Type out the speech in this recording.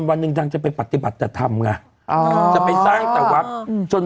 วันหนึ่งนางจะไปปฏิบัติแต่ทำไงจะไปสร้างแต่วัดจน